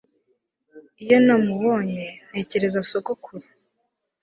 iyo namubonye, ntekereza sogokuru